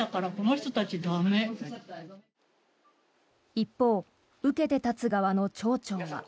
一方、受けて立つ側の町長は。